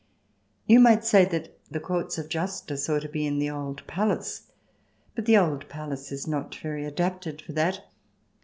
You might say that the courts of justice ought to be in the old palace. But the old palace is not very adapted for that.